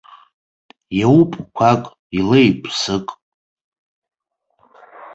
Иауп қәак, илеип сык.